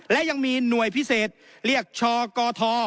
และยังมีหน่วยพิเศษเรียกชกท